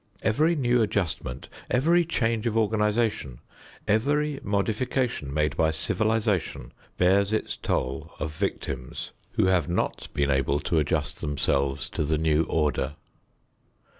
Every new adjustment, every change of organization, every modification made by civilization, bears its toll of victims who have not been able to adjust themselves to the new order.